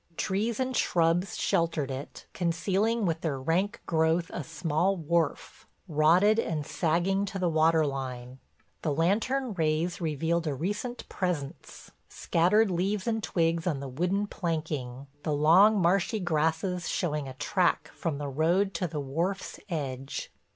Trees and shrubs sheltered it, concealing with their rank growth a small wharf, rotted and sagging to the water line. The lantern rays revealed a recent presence, scattered leaves and twigs on the wooden planking, the long marshy grasses showing a track from the road to the wharf's edge.